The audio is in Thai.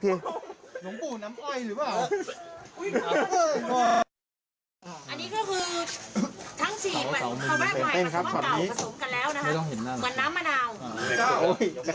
อันนี้ก็คือทั้ง๔ป่าวส่วนเก่าผสมกันแล้วนะฮะ